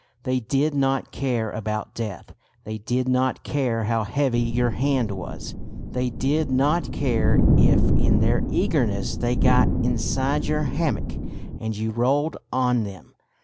They did not care about death, they did not care how heavy your hand was, they did not care if in their eagerness they got inside your hammock and you rolled on them.